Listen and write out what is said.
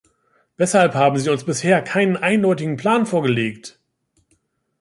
Weshalb haben Sie uns bisher keinen eindeutigen Plan vorgelegt?